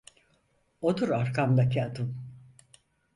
Odur arkamdaki adım.